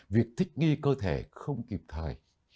việc thích nghi cơ thể không kịp thời